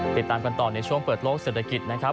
ติดตามกันต่อในช่วงเปิดโลกเศรษฐกิจนะครับ